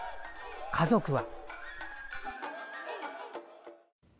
家族は。